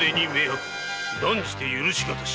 断じて許し難し！